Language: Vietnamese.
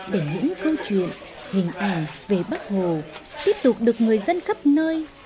để những câu chuyện hình ảnh về bác hồ tiếp tục được người dân khắp nơi